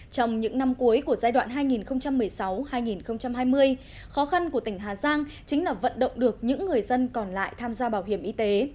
trong những năm cuối của giai đoạn hai nghìn một mươi sáu hai nghìn hai mươi khó khăn của tỉnh hà giang chính là vận động được những người dân còn lại tham gia bảo hiểm y tế